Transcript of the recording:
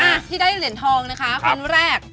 อ่ะที่ได้เหรียญทองนะคะครั้งแรก